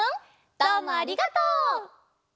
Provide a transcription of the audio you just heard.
どうもありがとう。